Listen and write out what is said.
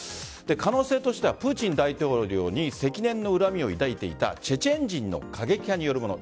可能性としてはプーチン大統領に積年の恨みを抱いていたチェチェン人の過激派によるもの。